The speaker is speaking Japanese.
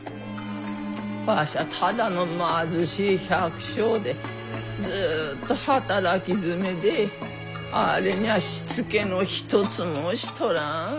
わしゃただの貧しい百姓でずっと働きづめであれにゃあしつけの一つもしとらん。